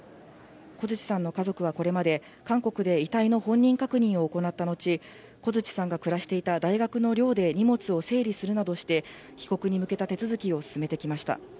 小槌さんの家族はこれまで韓国で遺体の本人確認を行った後、小槌さんが暮らしていた大学の寮で荷物を整理するなどして帰国に向けた手続きを進めてきました。